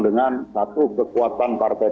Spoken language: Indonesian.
dengan satu kekuatan partai